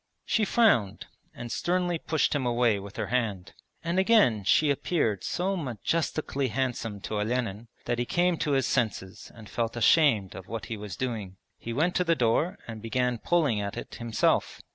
She frowned, and sternly pushed him away with her hand. And again she appeared so majestically handsome to Olenin that he came to his senses and felt ashamed of what he was doing. He went to the door and began pulling at it himself.